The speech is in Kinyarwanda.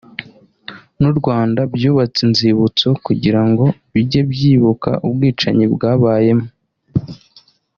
n’u Rwanda byubatse inzibutso kugira ngo bijye byibuka ubwicanyi bwabayemo